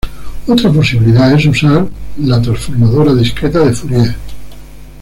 Otra posibilidad es usar la transformada discreta de Fourier.